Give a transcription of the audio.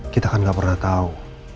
kita kan gak pernah tahu